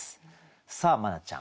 さあ茉奈ちゃん